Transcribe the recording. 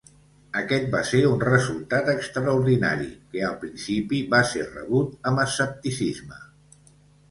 Aquest va ser un resultat extraordinari que al principi va ser rebut amb escepticisme.